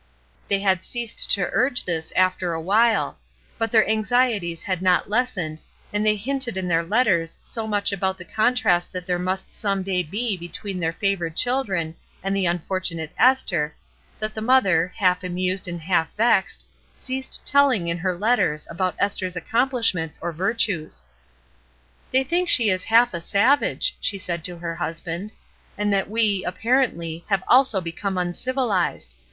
They had ceased to urge this after a while; but their anxieties had not lessened, and they hinted in their letters so much about the con trast that there must some day be between their favored children and the unfortimate Esther, that the mother, half amused and half vexed, ceased telling in her letters about Esther's accomplishments or virtues. "They think she is half a savage," she said HOMEWARD BOUND 347 to her husbaiid^''^^*aiiia' ''tJiat we, V .apparently, have also beco]i}^,j^n^vyized.